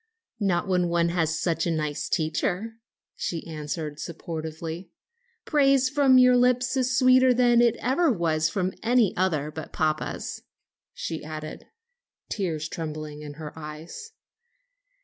"Not when one has such a nice teacher," she answered sportively. "Praise from your lips is sweeter than it ever was from any other but papa's," she added, tears trembling in her eyes.